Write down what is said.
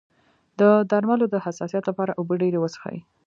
د درملو د حساسیت لپاره اوبه ډیرې وڅښئ